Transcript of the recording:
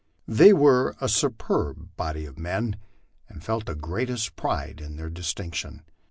They were a superb body of men, and felt the greatest pride in their distinction.